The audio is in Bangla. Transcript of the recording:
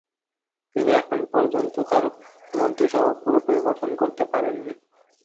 তিনি এখন পর্যন্ত তাঁর মন্ত্রিসভা পুরোপুরি গঠন করতে পারেননি।